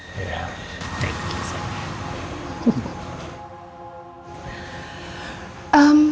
thank you tante